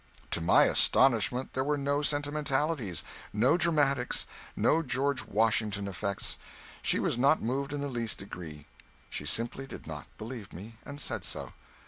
To my astonishment there were no sentimentalities, no dramatics, no George Washington effects; she was not moved in the least degree; she simply did not believe me, and said so!